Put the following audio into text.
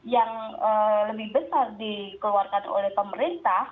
yang lebih besar dikeluarkan oleh pemerintah